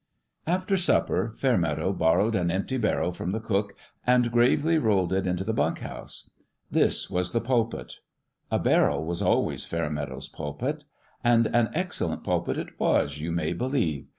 After supper, Fairmeadow borrowed an empty barrel from the cook, and gravely rolled it into the bunk house. This was the pulpit : a barrel was always Fairmeadow's pulpit. And an ex cellent pulpit it was, you may believe